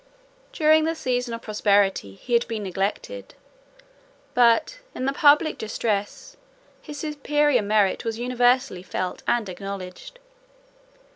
During the season of prosperity, he had been neglected; but, in the public distress, his superior merit was universally felt and acknowledged.